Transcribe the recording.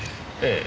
ええ。